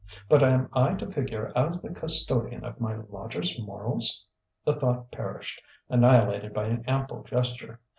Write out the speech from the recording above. But am I to figure as the custodian of my lodgers' morals?" The thought perished, annihilated by an ample gesture.